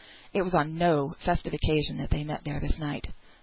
it was on no festive occasion that they met there on this night.